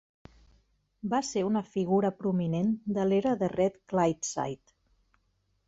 Va ser una figura prominent de l'era de Red Clydeside.